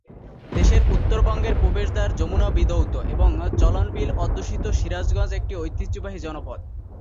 দেশের উত্তর বঙ্গের প্রবেশদ্বার যমুনা বিধৌত এবং চলনবিল অধ্যুষিত সিরাজগঞ্জ একটি ঐতিহ্যবাহী জনপদ।